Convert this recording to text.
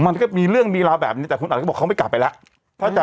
มันก็มีเรื่องมีราวแบบนี้แต่คุณอัดก็บอกเขาไม่กลับไปแล้ว